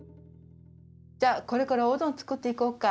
じゃあこれからおうどん作っていこうか。